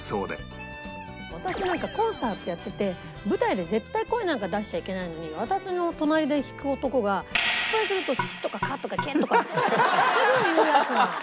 私なんかコンサートやってて舞台で絶対声なんか出しちゃいけないのに私の隣で弾く男が失敗すると「チッ！」とか「カッ！」とか「ケッ！」とかすぐ言うヤツなの。